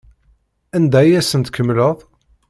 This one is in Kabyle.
Anda ay asent-tkemmleḍ?